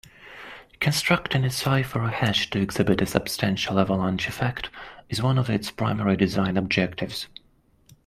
Constructing a cipher or hash to exhibit a substantial avalanche effect is one of its primary design objectives.